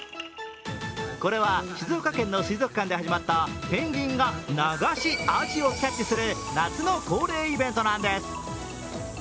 これは静岡県の水族館で始まったペンギンが流しアジをキャッチする夏の恒例イベントなんです。